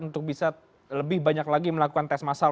untuk bisa lebih banyak lagi melakukan tes masal